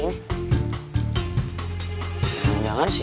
siapa sih yang nelfon malem malem ini